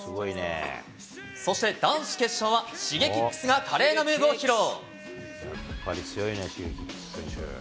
そして男子決勝は、シゲキックスが華麗なムーブを披露。